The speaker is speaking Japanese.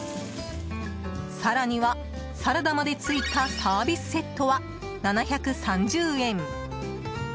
更には、サラダまで付いたサービスセットは７３０円。